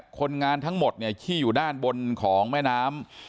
คนงานทั้งหมดที่อยู่ด้านบนของแม่น้ำ